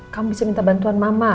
kamu bisa minta bantuan mama